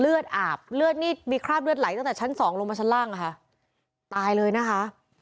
เลือดอาบเลือดนี่มีคราบเลือดไหลตั้งแต่ชั้นสองลงมาชั้นล่างอะค่ะตายเลยนะคะ